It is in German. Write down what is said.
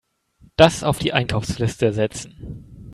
Das auf die Einkaufsliste setzen.